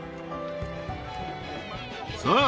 さあ